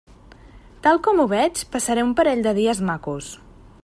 Tal com ho veig passaré un parell de dies macos.